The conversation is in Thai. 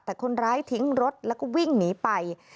แต่คนร้ายทิ้งรถแล้วก็วิ่งหนีไป